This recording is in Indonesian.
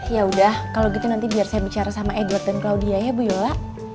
ya udah kalau gitu nanti biar saya bicara sama edward dan claudia ya bu yola